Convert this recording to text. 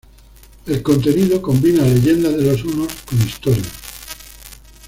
El contenido combina leyendas de los hunos con historia.